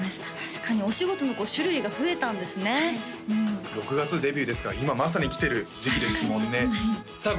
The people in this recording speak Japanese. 確かにお仕事の種類が増えたんですね６月デビューですから今まさに来てる時期ですもんねさあ